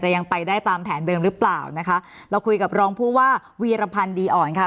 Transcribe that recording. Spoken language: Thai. ยังไปได้ตามแผนเดิมหรือเปล่านะคะเราคุยกับรองผู้ว่าวีรพันธ์ดีอ่อนค่ะ